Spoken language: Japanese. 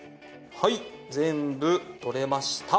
はい全部取れました。